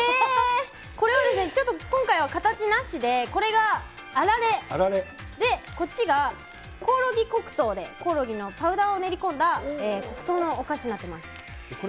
これはですね、ちょっと今回は形なしで、これがあられで、こっちがコオロギ黒糖で、パウダーを練り込んだ黒糖のお菓子になっています。